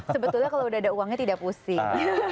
sebetulnya kalau udah ada uangnya tidak pusing